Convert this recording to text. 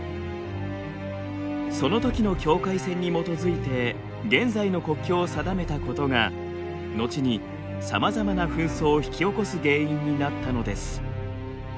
そのときの境界線に基づいて現在の国境を定めたことが後にさまざまな紛争を引き起こす原因になったのです。